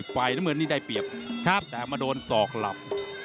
ฝ่ายน้ำเงินนี่ได้เปรียบแต่มาโดนศอกหลับ